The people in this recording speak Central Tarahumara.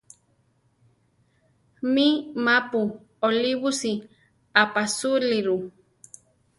Mí, ma-pu olíbusi aʼpasúliru.